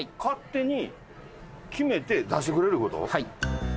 はい。